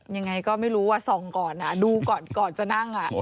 ยังไงก็ไม่รู้ว่าส่องก่อนดูก่อนก่อนจะนั่ง